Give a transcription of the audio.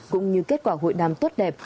cũng như kết quả hội đàm tốt đẹp